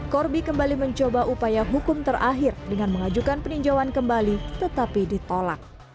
corby kembali mencoba upaya hukum terakhir dengan mengajukan peninjauan kembali tetapi ditolak